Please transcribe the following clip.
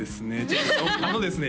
あのですね